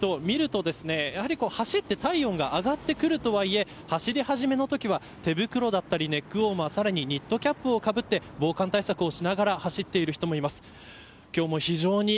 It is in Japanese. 走っている人を見ると走って体温が上がってくるとはいえ走り始めのときは手袋やネックウオーマーさらにニットキャップをかぶって防寒対策をして走っている人もいます。